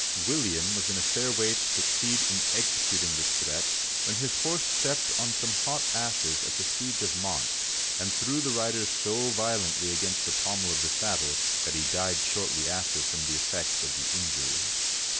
William was in a fair way to succeed in exe cuting this threat, when his horse stepped on some hot ashes at the siege of Mantes (maNt), and threw the rider so violently against the pommel of the saddle that he died shortly after from the effects of the injury.